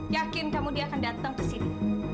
yakin kamu dia akan datang ke sini